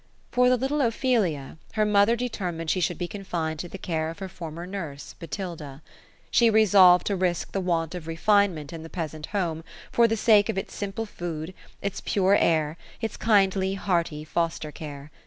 For the little Ophelia, her mother determined she should be confined to the care of her former nurss, Botilda. She resolved td rii'c t*i.) WJtnt of rol i3:u3at ia th3 peasant home, for the sake of its simple food, its pure air, its kindly hearty foster care.